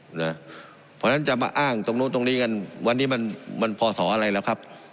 เพราะฉะนั้นจะมาอ้างตรงนู้นตรงนี้กันวันนี้มันพศอะไรแล้วครับ